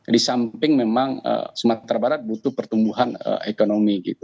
di samping memang sumatera barat butuh pertumbuhan ekonomi